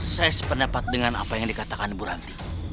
saya sependapat dengan apa yang dikatakan ibu ranti